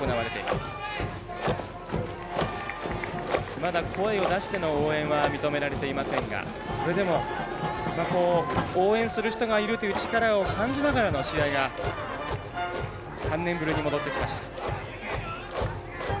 まだ声を出しての応援は認められていませんがそれでも応援する人がいるという力を感じながらという試合が３年ぶりに戻ってきました。